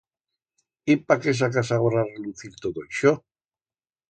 Y pa qué sacas agora a relucir todo ixo?